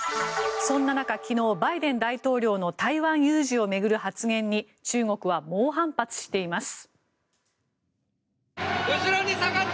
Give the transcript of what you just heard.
そんな中、昨日バイデン大統領の台湾有事を巡る発言に中国は猛反発しています。